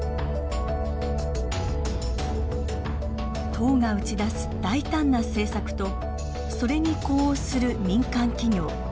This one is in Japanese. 党が打ち出す大胆な政策とそれに呼応する民間企業。